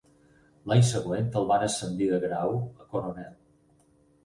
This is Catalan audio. L'any següent el van ascendir de grau a coronel.